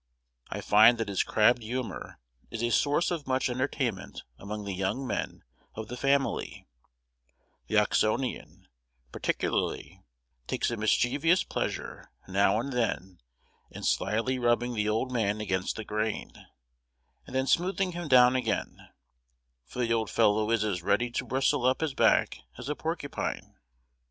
I find that his crabbed humour is a source of much entertainment among the young men of the family: the Oxonian, particularly, takes a mischievous pleasure now and then in slyly rubbing the old man against the grain, and then smoothing him down again; for the old fellow is as ready to bristle up his back as a porcupine.